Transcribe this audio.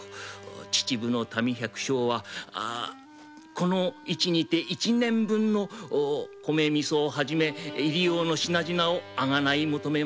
秩父の民百姓はこの市で一年分の米みそをはじめ入り用の品々を買い求めます。